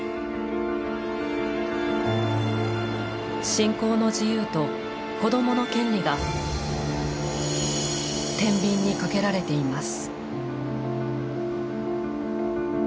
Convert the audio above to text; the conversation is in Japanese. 「信仰の自由」と「子供の権利」がてんびんにかけられています。